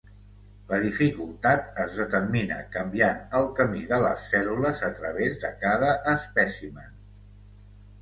La dificultat es determina canviant el camí de les cèl·lules a través de cada espècimen.